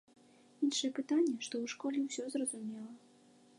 Іншае пытанне, што ў школе ўсё зразумела.